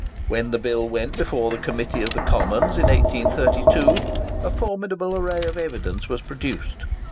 When the bill went before the Committee of the Commons in 1832, a formidable array of evidence was produced.